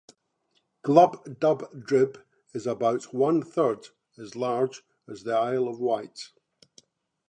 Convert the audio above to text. Glubbdubdrib is about one third as large as the Isle of Wight.